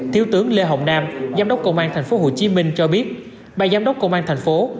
thiếu tướng lê hồng nam giám đốc công an thành phố hồ chí minh cho biết ba giám đốc công an thành phố